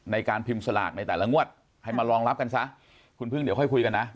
ในการพิมพ์สลากในแต่ละงวดให้มารองรับกันซะคุณพึ่งเดี๋ยวค่อยคุยกันนะ